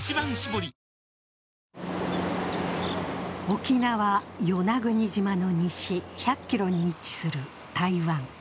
沖縄・与那国島の西１００ｋｍに位置する台湾。